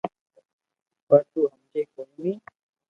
پر تو ھمجي ڪوئي ني